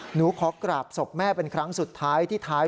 หนูขอกราบศพแม่เป็นครั้งสุดท้ายที่ท้าย